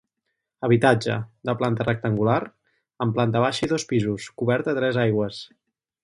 Habitatge: de planta rectangular, amb planta baixa i dos pisos, cobert a tres aigües.